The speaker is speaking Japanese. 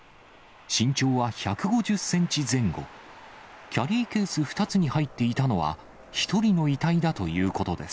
身長は１５０センチ前後、キャリーケース２つに入っていたのは、１人の遺体だということです。